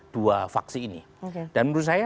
dua faksi ini dan menurut saya